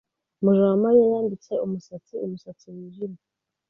Mujawamariya yambitse umusatsi umusatsi wijimye.